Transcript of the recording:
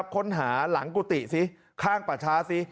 ค้นหาหลังกุฏิสิข้างป่าช้าสิ